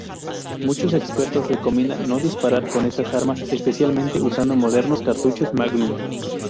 Muchos expertos recomiendan no disparar con estas armas, especialmente usando modernos cartuchos Magnum.